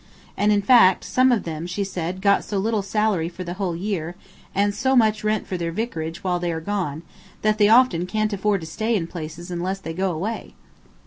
And in fact, some of them, she said, got so little salary for the whole year, and so much rent for their vicarages while they are gone, that they often can't afford to stay in places unless they go away.